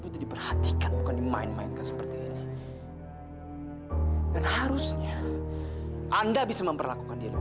tim ini tidak akan berhenti